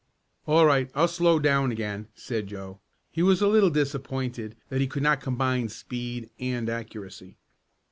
"All right, I'll slow down again," said Joe. He was a little disappointed that he could not combine speed and accuracy.